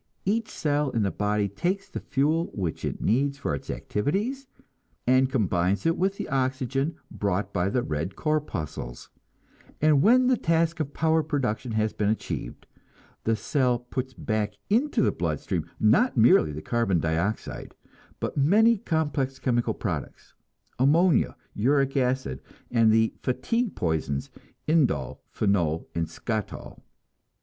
Each cell in the body takes the fuel which it needs for its activities, and combines it with the oxygen brought by the red corpuscles; and when the task of power production has been achieved, the cell puts back into the blood stream, not merely the carbon dioxide, but many complex chemical products ammonia, uric acid, and the "fatigue poisons," indol, phenol and skatol.